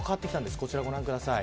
こちらご覧ください。